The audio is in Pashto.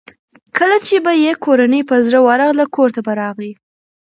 کله چې به یې کورنۍ په زړه ورغله کورته به راغی.